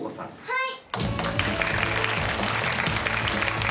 はい。